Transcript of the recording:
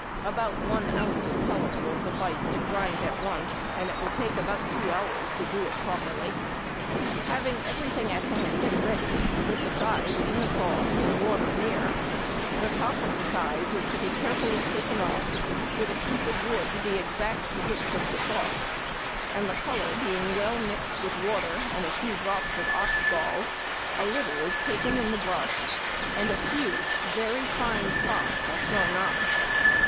About one oz. of colour will suffice to grind at once, and it will take about two hours to do it properly. Having everything at hand and ready, with the size in |71| the trough, and water near, the top of the size is to be carefully taken off with a piece of wood the exact width of the trough, and the colour being well mixed with water and a few drops of ox gall, a little is taken in the brush, and a few very fine spots are thrown on.